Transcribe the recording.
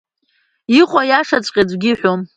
Иҟоу аиашаҵәҟьа аӡәгьы иҳәом.